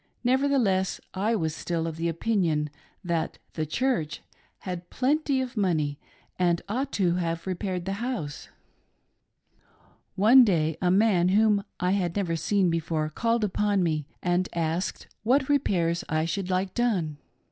Nevertheless I was still of opinion that " the ChurcJi " bad plenty of money and ought to have repaired the house. "AN UGLY MAN WITH A CAST IN HIS EYE." 245 One day a man whom I had never seen before, called, upon me and asked what repairs I should like done.